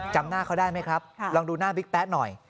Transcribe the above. จำหน้าเขาได้ไหมครับลองดูหน้าบิ๊กแป๊ะหน่อย